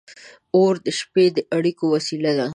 • اور د شپې د اړیکو وسیله وه.